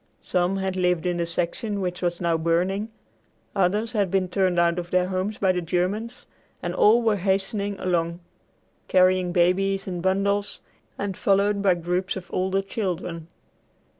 Some had lived in the section which was now burning; others had been turned out of their homes by the Germans; and all were hastening along, carrying babies and bundles, and followed by groups of older children.